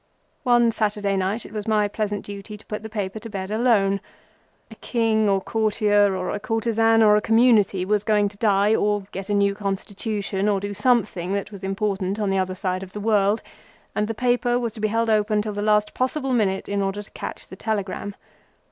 One Saturday night it was my pleasant duty to put the paper to bed alone. A King or courtier or a courtesan or a community was going to die or get a new Constitution, or do something that was important on the other side of the world, and the paper was to be held open till the latest possible minute in order to catch the telegram.